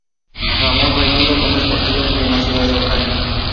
Ramon Raimundo Gómez Portillo murió en la ciudad de Ocaña.